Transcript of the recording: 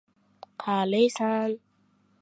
• Itlar ham har xil tishlaydi.